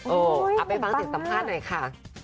เออเอาไปฟังสิทธิ์สัมภาษณ์หน่อยค่ะ